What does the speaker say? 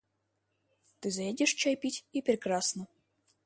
Ты заедешь чай пить, и прекрасно!